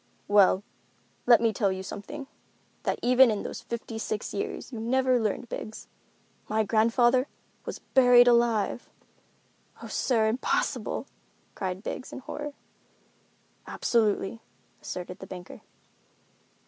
"Well, let me tell you something, that even in those fifty six years you never learned, Biggs. My grandfather was buried alive!" "Oh, sir! Impossible!" cried Biggs, in horror. "Absolutely," asserted the banker.